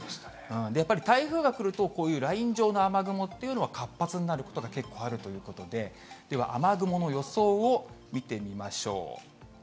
やっぱり台風が来るとこういうライン状の雨雲っていうのは活発になることが結構あるということで、では、雨雲の予想を見てみましょう。